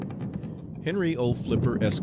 HENRY O. FLIPPER, ESQ.